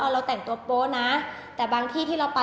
เราแต่งตัวโป๊ะนะแต่บางที่ที่เราไป